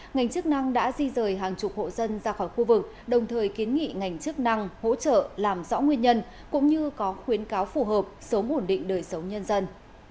ngành chức năng đã di rời hàng chục hộ dân ra khỏi khu vực đồng thời kiến nghị ngành chức năng hỗ trợ làm rõ nguyên nhân cũng như có khuyến cáo phù hợp sống ổn định đời sống nhân dân